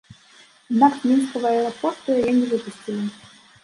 Аднак з мінскага аэрапорту яе не выпусцілі.